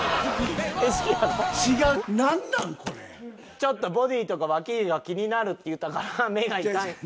ちょっとボディーとかわき毛が気になるって言ったから目がいかん。